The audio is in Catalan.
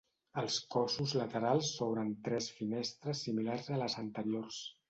Als cossos laterals s'obren tres finestres similars a les anteriors.